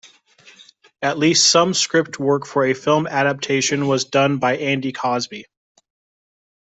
At least some script work for a film adaptation was done by Andy Cosby.